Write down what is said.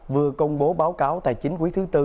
vừa công bố báo cáo tài chính quý thứ tư